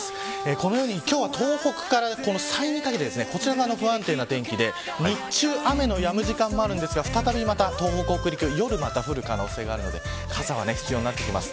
このように東北から山陰にかけて不安定な天気で日中、雨のやむ時間もありますが再び東北、北陸は夜降る可能性があるので傘は必要になってきます。